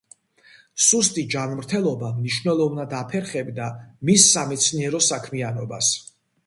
სუსტი ჯანმრთელობა მნიშვნელოვნად აფერხებდა მის სამეცნიერო საქმიანობას.